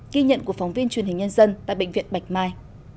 ghi nhận của phóng viên truyền hình nhân dân tại bệnh viện bạch mai